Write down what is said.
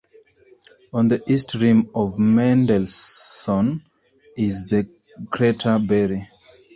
On the east rim of Mendelssohn is the crater Berry.